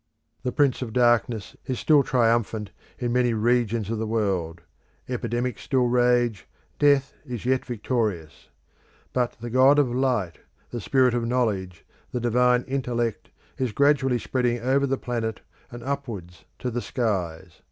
The Prince of Darkness is still triumphant in many regions of the world; epidemics still rage, death is yet victorious. But the God of Light, the Spirit of Knowledge, the Divine Intellect, is gradually spreading over the planet and upwards to the skies.